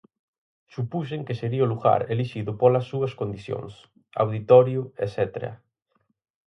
Supuxen que sería o lugar elixido polas súas condicións, auditorio etcétera.